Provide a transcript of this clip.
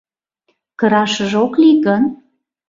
— Кырашыже ок лий гын?